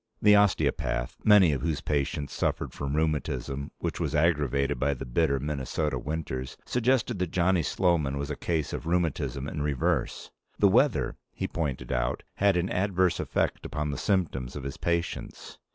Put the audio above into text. The osteopath, many of whose patients suffered from rheumatism which was aggravated by the bitter Minnesota winters, suggested that Johnny Sloman was a case of rheumatism in reverse. The weather, he pointed out, had an adverse effect upon the symptoms of his patients.